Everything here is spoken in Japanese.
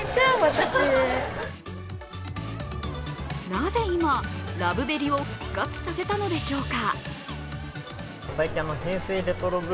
なぜ今、「ラブベリ」を復活させたのでしょうか。